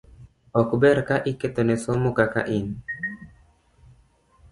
ok ber ka iketho ne somo kaka in.